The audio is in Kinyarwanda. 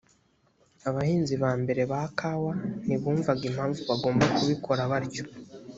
abahinzi ba mbere ba kawa ntibumvaga impamvu bagomba kubikora batyo